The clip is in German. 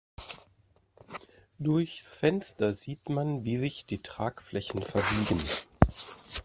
Durchs Fenster sieht man, wie sich die Tragflächen verbiegen.